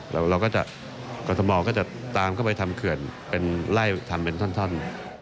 เราก็จะกรทมก็จะตามเข้าไปทำเขื่อนเป็นไล่ทำเป็นท่อน